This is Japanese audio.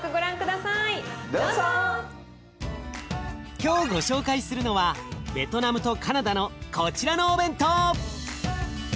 今日ご紹介するのはベトナムとカナダのこちらのお弁当！